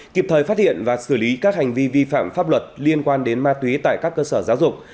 kịp thời phát hiện và xử lý các hành vi vi phạm pháp luật liên quan đến ma túy tại các cơ sở giáo dục